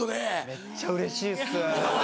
めっちゃうれしいっす。